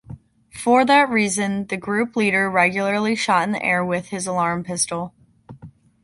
For that reason, the group leader regularly shot in the air with his alarm pistol.